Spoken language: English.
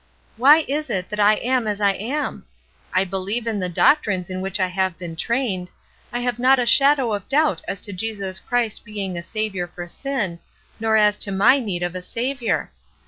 "Why is it that I am as I am? I believe in the doctrines in which I have been trained. I have not a shadow of doubt as to Jesus Christ being a Saviour for sin, nor as to my need of a Saviour.